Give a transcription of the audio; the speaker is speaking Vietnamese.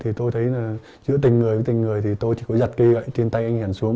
thì tôi thấy là giữa tình người với tình người thì tôi chỉ có giặt cây gậy trên tay anh hiển xuống